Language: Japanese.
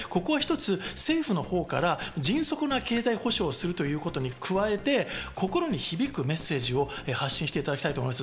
政府の方から迅速な経済補償をするということに加えて心に響くメッセージを発信していただきたいと思います。